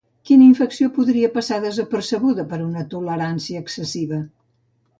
Quina infecció podria passar desapercebuda per una tolerància excessiva?